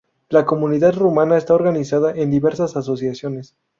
La comunidad rumana está organizada en diversas asociaciones.